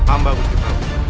amba gusti prabu